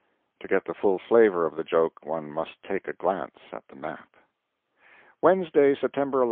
To get the full flavor of the joke one must take a glance at the map. Wednesday, September 11.